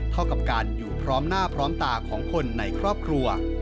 เท่ากับการอยู่พร้อมหน้าพร้อมตาของคนในครอบครัว